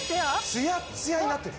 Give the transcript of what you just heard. ツヤッツヤになってる。